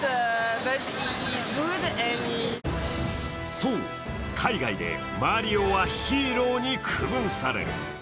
そう、海外でマリオはヒーローに区分される。